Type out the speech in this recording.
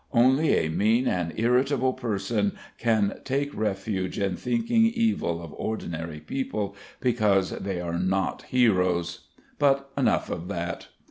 Only a mean and irritable person Can take refuge in thinking evil of ordinary people because they are not heroes. But enough of that.